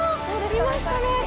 いましたね。